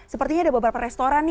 sepertinya ada beberapa restoran nih